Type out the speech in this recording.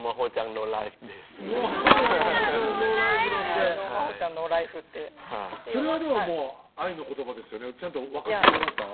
ノーライフ「ノー真帆ちゃんノーライフ」ってそれはもう愛の言葉ですよねちゃんと分かってくれました？